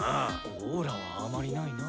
オーラはあまりないな。